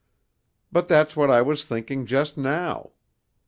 But that's what I was thinking just now.